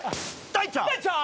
大ちゃん！